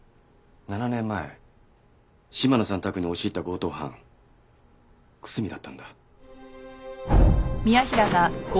７年前嶋野さん宅に押し入った強盗犯楠見だったんだ。